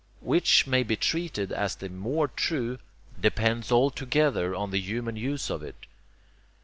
Which may be treated as the more true, depends altogether on the human use of it.